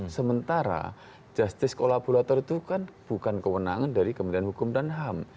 sementara justice kolaborator itu kan bukan kewenangan dari kementerian hukum dan ham